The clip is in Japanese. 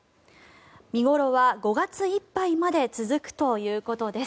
見頃は５月いっぱいまで続くということです。